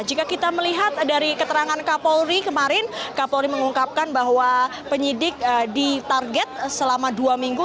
jika kita melihat dari keterangan kapolri kemarin kapolri mengungkapkan bahwa penyidik ditarget selama dua minggu